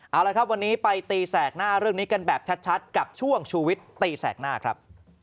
เอาละครับวันนี้ไปตีแสกหน้าเรื่องนี้กันแบบชัดกับช่วงชูวิตตีแสกหน้าครับ